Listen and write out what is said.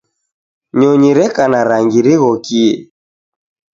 Nyonyi reka na rangi righokie.